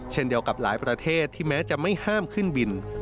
เช่นเดียวกับหลายประเทศที่แม้จะไม่ห้ามขึ้นบิน